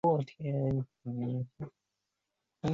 泛甲壳动物是甲壳类及六足亚门的总称。